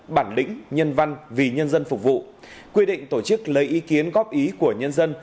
bản lĩnh nhân văn vì nhân dân phục vụ quy định tổ chức lấy ý kiến góp ý của nhân dân